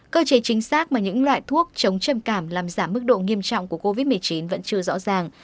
cơ chế chính xác mà những loại thuốc chống trầm cảm làm giảm mức độ nghiêm trọng của covid một mươi chín vẫn chưa rõ ràng